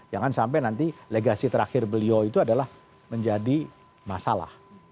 jangan sampai nanti legasi terakhir beliau itu adalah menjadi masalah